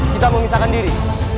kita memisahkan diri